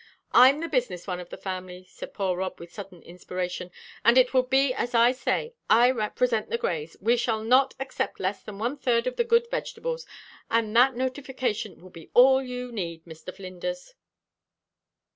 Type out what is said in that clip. "I'm the business one of the family," said poor Rob, with sudden inspiration, "and it will be as I say. I represent the Greys. We shall not accept less than our third of the good vegetables, and that notification will be all you need, Mr. Flinders."